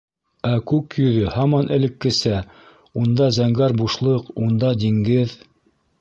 Ә күк йөҙө һаман элеккесә: унда зәңгәр бушлыҡ, унда диңгеҙ...